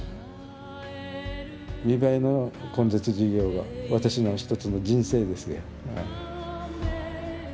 ミバエの根絶事業が私の一つの人生ですよ。